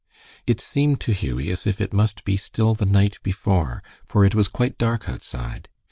It seemed to Hughie as if it must be still the night before, for it was quite dark outside.